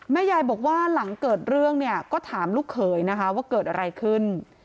ยายบอกว่าหลังเกิดเรื่องเนี่ยก็ถามลูกเขยนะคะว่าเกิดอะไรขึ้น